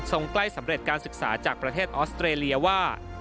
ใกล้สำเร็จการศึกษาจากประเทศออสเตรเลียว่า